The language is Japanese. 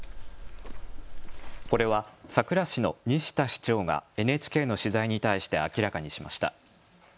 これは佐倉市の西田市長がＮＨＫの取材に対して明らかにしました。